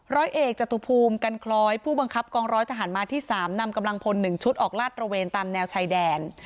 ร้อยเอกจตุภูมิกันคล้อยผู้บังคับกองร้อยทหารมาที่๓นำกำลังพล๑ชุดออกลาดตระเวนตามแนวชายแดน